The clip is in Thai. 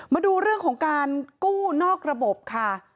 มาดูเรื่องของการกู้นอกระบบค่ะ